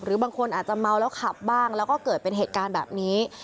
บางคนอาจจะเมาแล้วขับบ้างแล้วก็เกิดเป็นเหตุการณ์แบบนี้